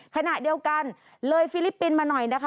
ขณะเดียวกันเลยฟิลิปปินส์มาหน่อยนะคะ